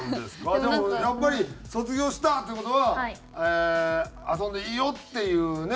でもやっぱり卒業したっていう事は遊んでいいよっていうね